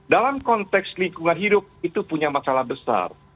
dalam konteks lingkungan hidup itu punya masalah besar